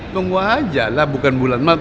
tunggu aja lah bukan bulan maret